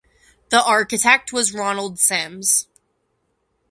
The architect was Ronald Sims.